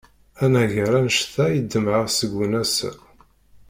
Anagar annect-a i ḍemɛeɣ seg-wen ass-a.